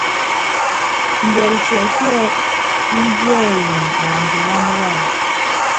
Ngɛli tiɛkíɛ́ ɛ́ɛ́ imbiɛyini naandiman wam?